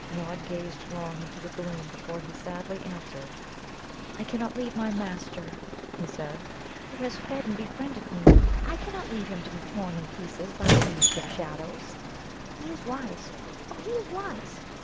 Nod gazed long into the gloom before he sadly answered: "I cannot leave my master," he said, "who has fed and befriended me. I cannot leave him to be torn in pieces by this Beast of Shadows. He is wise oh, he is wise!